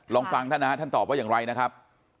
ลองฟังท่านนะฮะท่านตอบว่าอย่างไรนะครับ